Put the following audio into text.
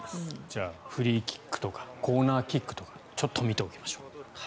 じゃあフリーキックとかコーナーキックとかちょっと見ておきましょう。